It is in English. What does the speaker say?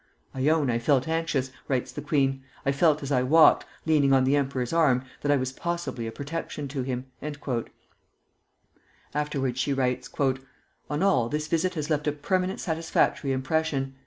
"I own I felt anxious," writes the queen; "I felt as I walked, leaning on the emperor's arm, that I was possibly a protection to him." Afterwards she writes, "On all, this visit has left a permanent satisfactory impression.